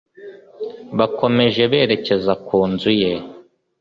Bakomeje berekeza ku nzu ye